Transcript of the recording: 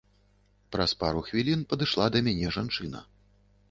Праз пару хвілін падышла да мяне жанчына.